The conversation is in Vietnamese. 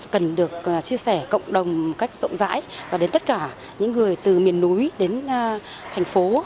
cần được chia sẻ cộng đồng một cách rộng rãi và đến tất cả những người từ miền núi đến thành phố